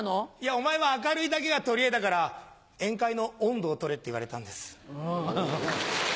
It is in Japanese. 「お前は明るいだけが取りえだから宴会のオンドを取れ」って言われたんです。